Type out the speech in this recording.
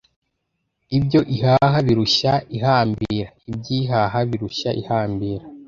ibyo ihaha birushya ihambira. iby'ihaha birushya ihambira